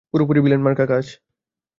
পুরোপুরি ভিলেনমার্কা কাজ।